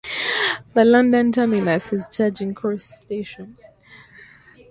The London terminus is Charing Cross station.